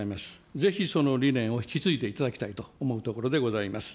ぜひその理念を引き継いでいただきたいと思うところでございます。